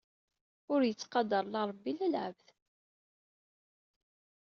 Ur yettqadar la Rebbi la lɛebd.